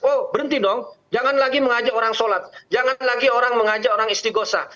oh berhenti dong jangan lagi mengajak orang sholat jangan lagi orang mengajak orang istighosa